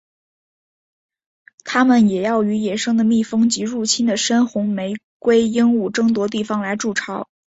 它们也要与野生的蜜蜂及入侵的深红玫瑰鹦鹉争夺地方来筑巢。